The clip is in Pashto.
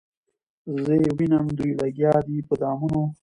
زه یې وینم دوی لګیا دي په دامونو